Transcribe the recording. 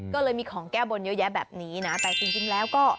ก็เลยมีของแก้บนเยอะแยะแบบนี้นะแต่จริงแล้วก็